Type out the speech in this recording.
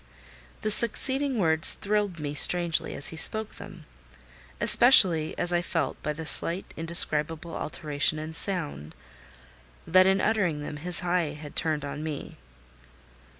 The succeeding words thrilled me strangely as he spoke them: especially as I felt, by the slight, indescribable alteration in sound, that in uttering them, his eye had turned on me.